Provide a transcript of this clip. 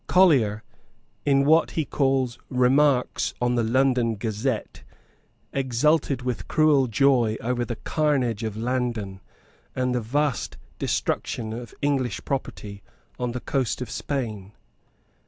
Collier, in what he called Remarks on the London Gazette, exulted with cruel joy over the carnage of Landen, and the vast destruction of English property on the coast of Spain.